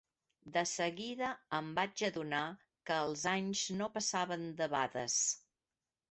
De seguida em vaig adonar que els anys no passaven debades.